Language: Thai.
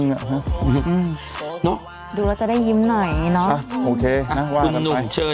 อืมเนอะดูแล้วจะได้ยิ้มหน่อยเนอะโอเคนะคุณหนุ่มเชิญ